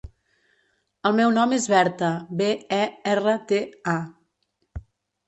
El meu nom és Berta: be, e, erra, te, a.